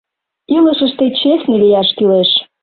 Илышыште честный лияш кӱлеш.